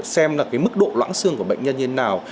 xem là cái mức độ loãng xương của bệnh nhân như thế nào